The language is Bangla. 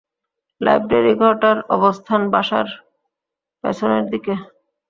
লাইব্রেরি-ঘরটার অবস্থান বাসার পেছনের দিকে।